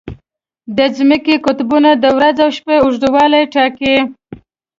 د ځمکې قطبونه د ورځ او شپه اوږدوالی ټاکي.